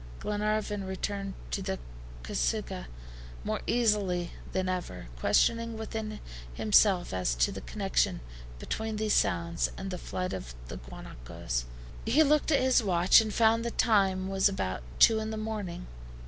Glenarvan returned to the CASUCHA more uneasy than ever, questioning within himself as to the connection between these sounds and the flight of the guanacos. He looked at his watch and found the time was about two in the morning.